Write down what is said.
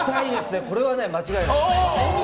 これは間違いない。